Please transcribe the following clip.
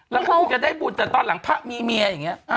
แล้วก็พูดจะได้บุญแต่ตอนหลังพระมีเมีย